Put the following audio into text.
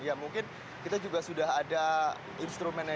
ya mungkin kita juga sudah ada instrumennya